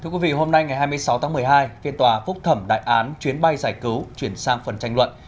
thưa quý vị hôm nay ngày hai mươi sáu tháng một mươi hai phiên tòa phúc thẩm đại án chuyến bay giải cứu chuyển sang phần tranh luận